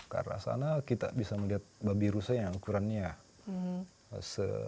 karena sana kita bisa melihat babi rusai yang ukurannya ya